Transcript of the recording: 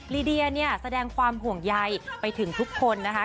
ลีเดียเนี่ยแสดงความห่วงใยไปถึงทุกคนนะคะ